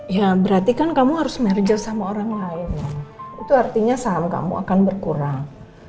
ya berarti kan kamu harus merger sama orang lain itu artinya saham kamu akan berkurang